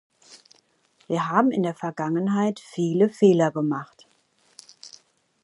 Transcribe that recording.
Wir haben in der Vergangenheit viele Fehler gemacht.